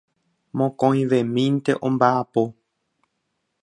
Mokõivemínte ombaʼapo.